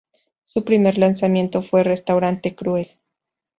Su primer lanzamiento fue "restaurante cruel".